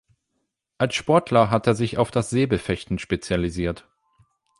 Als Sportler hat er sich auf das Säbelfechten spezialisiert.